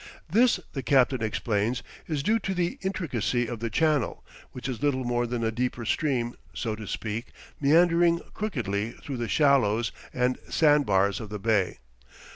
This, the captain explains, is due to the intricacy of the channel, which is little more than a deeper stream, so to speak, meandering crookedly through the shallows and sand bars of the bay.